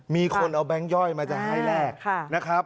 มีคนเอาแบงค์ย่อยมาจะให้แลกนะครับ